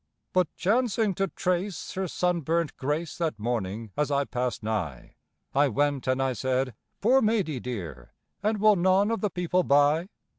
But chancing to trace her sunburnt grace that morning as I passed nigh, I went and I said "Poor maidy dear! and will none of the people buy?"